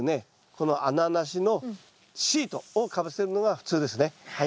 この穴なしのシートをかぶせるのが普通ですね。